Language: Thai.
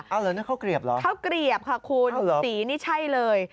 เอาเลยนะเข้าเกลียบเหรอเอาเหรอเข้าเกลียบค่ะคุณสีนี่ใช่เลย